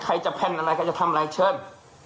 ใครจะแผ่นอะไรใครจะทำอะไรเชิญ